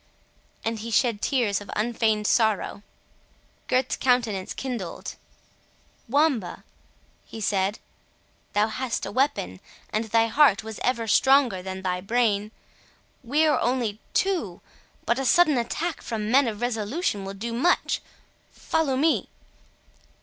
And he shed tears of unfeigned sorrow. Gurth's countenance kindled—"Wamba," he said, "thou hast a weapon, and thy heart was ever stronger than thy brain,—we are only two—but a sudden attack from men of resolution will do much—follow me!"